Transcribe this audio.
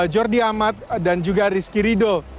jordi amat dan juga rizky rido